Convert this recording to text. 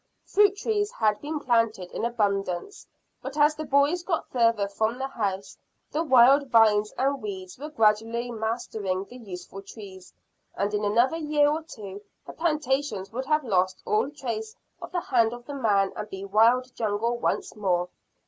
Fruit trees had been planted in abundance, but as the boys got farther from the house the wild vines and weeds were gradually mastering the useful trees, and in another year or two the plantations would have lost all trace of the hand of man and be wild jungle once more.